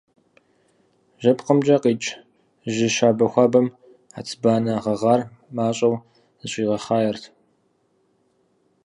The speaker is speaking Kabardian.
ЖьэпкъымкӀэ къикӀ жьы щабэ гуапэм хьэцыбанэ гъэгъар мащӀэу зэщӀигъэхъаерт.